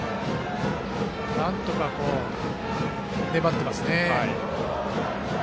なんとか粘っていますね。